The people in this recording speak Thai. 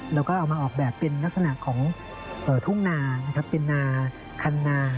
แล้วก็เอามาออกแบบเป็นลักษณะของทุ่งนานะครับเป็นนาคันนา